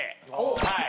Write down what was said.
はい。